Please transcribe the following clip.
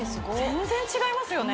全然違いますよね